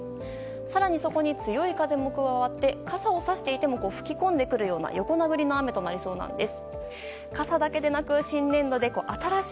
更にそこに強い風が加わって傘をさしていても吹き込んでくるような横殴りの雨になりそうです。